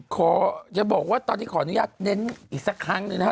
ขอจะบอกว่าตอนนี้ขออนุญาตเน้นอีกสักครั้งหนึ่งนะฮะ